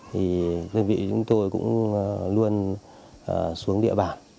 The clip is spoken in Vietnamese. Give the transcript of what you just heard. thì đơn vị chúng tôi cũng luôn xuống địa bàn